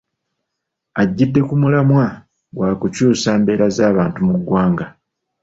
Ajjidde ku mulamwa gwa kukyusa mbeera z'abantu mu ggwanga.